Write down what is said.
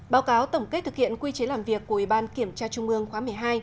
báo cáo tổng kết thực hiện quy chế làm việc của ủy ban kiểm tra trung ương khóa một mươi hai